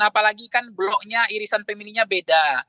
apalagi kan bloknya irisan pemilihnya beda